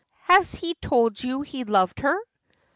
"Has he told you he loved her?"